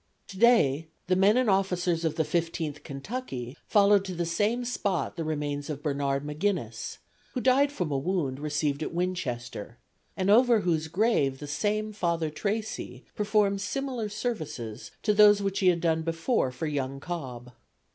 "To day the men and officers of the Fifteenth Kentucky followed to the same spot the remains of Bernard McGinnis, who died from a wound received at Winchester, and over whose grave the same Father Tracey performed similar services to those which he had done before for young Cobb.